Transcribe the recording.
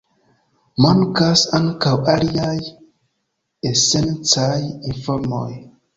Mankas ankaŭ aliaj esencaj informoj.